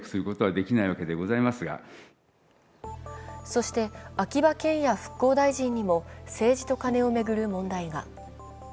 そして、秋葉賢也復興大臣にも政治とカネを巡る問題が。